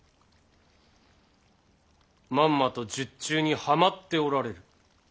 まんまと術中にはまっておられる。